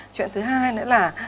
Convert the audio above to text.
chuyện thứ hai nữa là